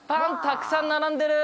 たくさん並んでる！